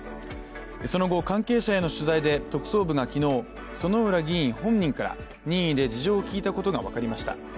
その後、関係者への取材で特捜部が昨日、薗浦議員本人から任意で事情を聴いたことが分かりました。